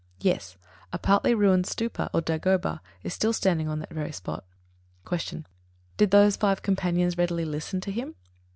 Yes, a partly ruined stūpa, or dagoba, is still standing on that very spot. 71. Q. _Did those five companions readily listen to him?